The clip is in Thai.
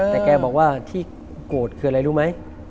แต่แกบอกว่าที่โกรธคืออะไรรู้ไหม